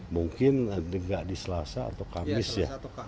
mungkin tidak di selasa atau kamis ya